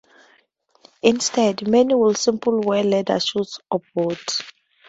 Instead, many would simply wear leather shoes or boots.